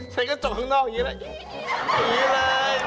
ใช้กระจกข้างนอกอย่างนี้แหละ